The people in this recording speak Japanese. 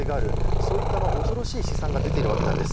そういった恐ろしい試算が出ているわけです。